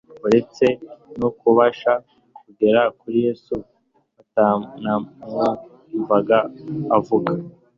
uretse no kubasha kugera kuri Yesu batanamwumvaga avuga.